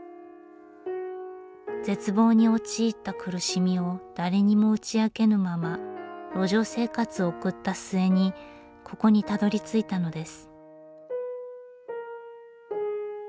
絶望に陥った苦しみを誰にも打ち明けぬまま路上生活を送った末にここにたどりついたのです。